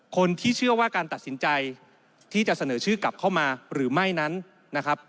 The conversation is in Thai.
คนที่เชื่อว่าการตัดสินใจที่จะเสนอชื่อกลับเข้ามาหรือไม่นั้นนะครับ